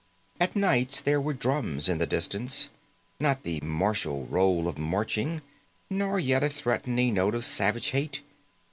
At nights there were drums in the distance. Not the martial roll of marching, nor yet a threatening note of savage hate.